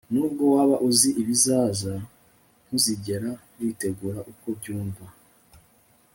nubwo waba uzi ibizaza, ntuzigera witegura uko byumva